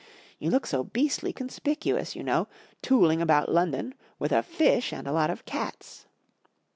You look so beastly conspicuous, you know, tooling about London with a fish and a lot of cats.